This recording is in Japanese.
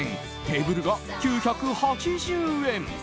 テーブルが９８０円。